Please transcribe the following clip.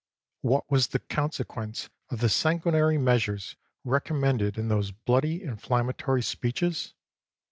What was the consequence of the sanguinary measures recommended in those bloody, inflam matory speeches